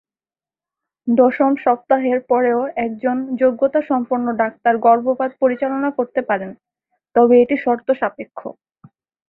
দশম সপ্তাহের পরেও একজন যোগ্যতাসম্পন্ন ডাক্তার গর্ভপাত পরিচালনা করতে পারেন, তবে এটি শর্ত সাপেক্ষে।